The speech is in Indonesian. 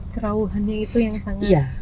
kerauhannya itu yang sangat